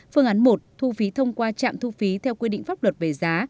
phương án một thu phí thông qua trạm thu phí theo quy định pháp luật về giá